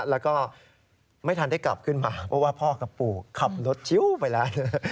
แล้วก็ไม่ทันได้กลับขึ้นมาเพราะว่าพ่อกับปู่ขับรถชิวไปแล้ว